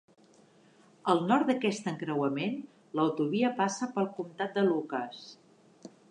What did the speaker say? Al nord d'aquest encreuament, l'autovia passa pel comtat de Lucas.